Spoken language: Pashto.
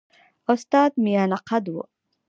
استاد میانه قده وو.